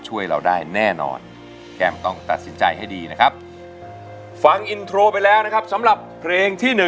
ช่วยเราได้แน่นอนแก้มต้องตัดสินใจให้ดีนะครับฟังอินโทรไปแล้วนะครับสำหรับเพลงที่๑